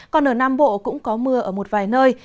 còn ở nam bộ cũng có mưa ở một vài nơi